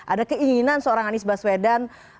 ada keinginan seorang anies baswedan